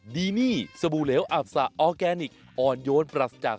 โน่นเงียจากโทนป่าโทนโทนทั้งโยงทั้งโยนเยาว์ยวนดัวใจ